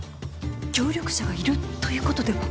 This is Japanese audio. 協力者がいるということでは？